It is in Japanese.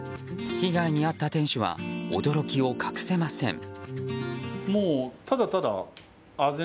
被害に遭った店主は驚きを隠せません。